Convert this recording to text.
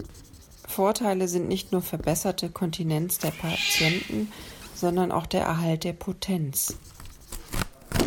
Vorteile sind nicht nur verbesserte Kontinenz der Patienten, sondern auch der Erhalt der Potenz.